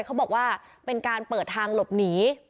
เขาบอกว่าเป็นการเปิดทางหลบหนี